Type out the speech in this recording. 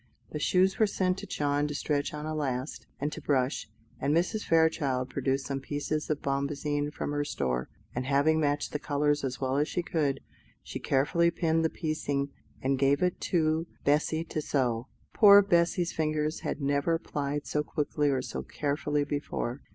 The shoes were sent to John to stretch on a last, and to brush; and Mrs. Fairchild produced some pieces of bombazine from her store, and having matched the colours as well as she could, she carefully pinned the piecing, and gave it to Bessy to sew. Poor Bessy's fingers had never plied so quickly and so carefully before.